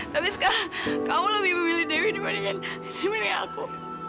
tapi sekarang kamu lebih memilih dewi dibandingin milih aku